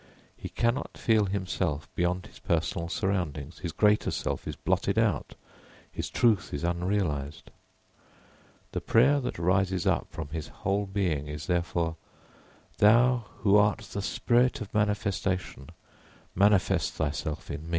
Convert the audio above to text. He cannot feel himself beyond his personal surroundings, his greater self is blotted out, his truth is unrealised. The prayer that rises up from his whole being is therefore, _Thou, who art the spirit of manifestation, manifest thyself in me.